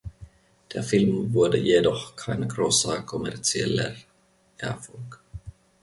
Der Film wurde jedoch kein großer kommerzieller Erfolg.